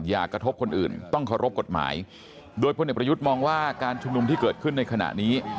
อย่ากระทบคนอื่นต้องเคารพกฎหมายโดยพลเอกประยุทธ์มองว่าการชุมนุมที่เกิดขึ้นในขณะนี้